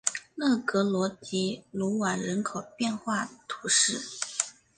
勒格罗迪鲁瓦人口变化图示